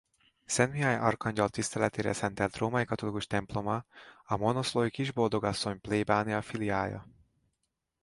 Szent Mihály arkangyal tiszteletére szentelt római katolikus temploma a monoszlói Kisboldogasszony plébánia filiája.